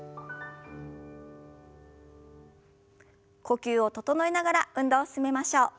呼吸を整えながら運動を進めましょう。